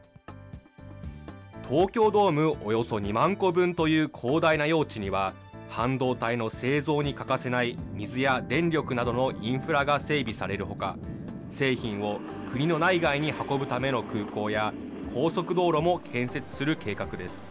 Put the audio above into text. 東京ドームおよそ２万個分という広大な用地には、半導体の製造に欠かせない水や電力などのインフラが整備されるほか、製品を国の内外に運ぶための空港や、高速道路も建設する計画です。